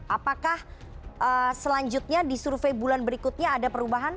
apakah selanjutnya di survei bulan berikutnya ada perubahan